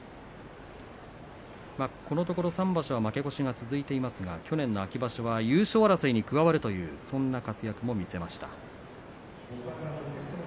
このところ３場所は負け越しが続いていますが去年の秋場所は優勝争いに加わるというそんな活躍も見せました。